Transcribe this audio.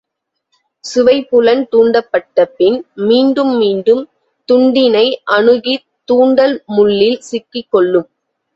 சுவைப்புலன் தூண்டப்பட்ட பின் மீண்டும் மீண்டும் துண்டினை அணுகித் தூண்டில் முள்ளில் சிக்கிக் கொள்ளும்.